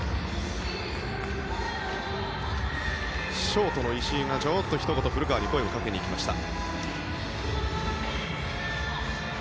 ショートの石井がちょっと古川に声をかけに行きました。